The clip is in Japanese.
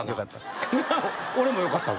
よかった。